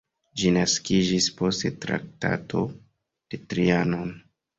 Ĝi naskiĝis post Traktato de Trianon.